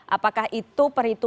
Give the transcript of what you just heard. apakah itu perhitungannya